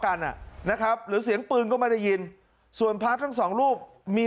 กันอ่ะนะครับหรือเสียงปืนก็ไม่ได้ยินส่วนพระทั้งสองรูปมี